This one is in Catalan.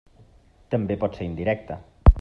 També pot ser indirecta.